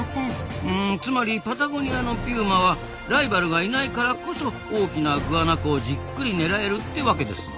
つまりパタゴニアのピューマはライバルがいないからこそ大きなグアナコをじっくり狙えるってわけですな。